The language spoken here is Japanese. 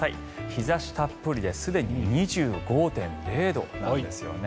日差したっぷりですでに２５．０度なんですよね。